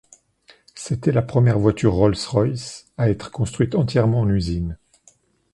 C'était la première voiture Rolls-Royce à être construite entièrement en usine.